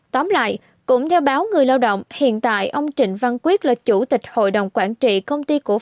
tóm lại cũng theo báo người lao động hiện tại ông trịnh văn quyết là chủ tịch hội đồng quản trị công ty cổ phần